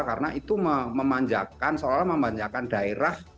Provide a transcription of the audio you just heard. karena itu memanjakan seolah olah memanjakan daerah